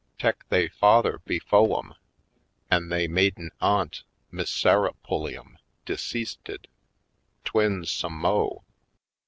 Tek they father befo' 'em an' they maiden aunt, Miss Sarah Pulliam, de ceasted — twins some mo'.